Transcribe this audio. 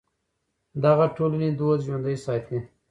دغه ټولنې دود ژوندی ساتي.